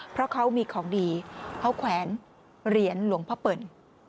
เพราะเขามีของดีเขาแขวนเหรียญหลวงพ่อเปิ่น